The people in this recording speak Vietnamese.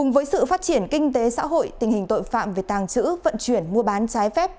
với sự phát triển kinh tế xã hội tình hình tội phạm về tàng trữ vận chuyển mua bán trái phép